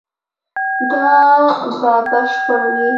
دا به بشپړ وي